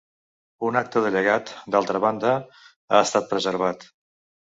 Un acte de llegat, d'altra banda, ha estat preservat.